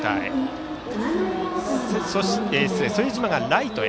副島がライトへ。